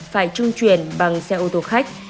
phải trung chuyển bằng xe ô tô khách